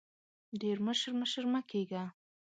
ډېر مشر مشر مه کېږه !